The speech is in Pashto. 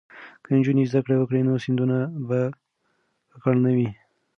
که نجونې زده کړې وکړي نو سیندونه به ککړ نه وي.